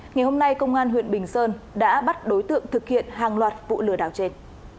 ngày hôm nay công an huyện bình sơn đã bắt đối tượng thực hiện hàng loạt vụ lừa đảo trên